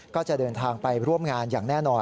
ก็จะเดินทางไปร่วมงานอย่างแน่นอน